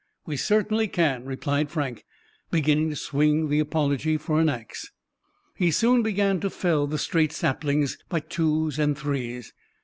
"We certainly can," replied Frank, beginning to swing the apology for an ax. He soon began to fell the straight saplings by twos and threes.